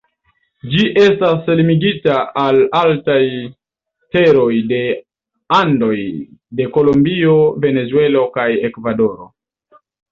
Ĝi estas limigita al altaj teroj de Andoj de Kolombio, Venezuelo kaj Ekvadoro.